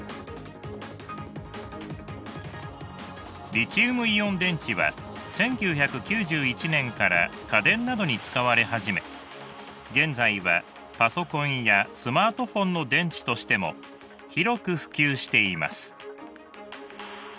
リチウムイオン電池は１９９１年から家電などに使われ始め現在はパソコンやスマートフォンの電池としても広く普及しています。